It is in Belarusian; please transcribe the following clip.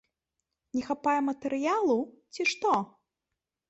Не хапае матэрыялу, ці што?